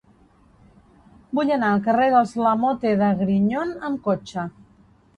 Vull anar al carrer dels Lamote de Grignon amb cotxe.